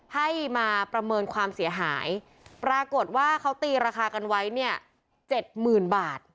ให้มาประเมินความเสียหายปรากฏว่าเขาตีราคากันไว้เนี่ยเจ็ดหมื่นบาท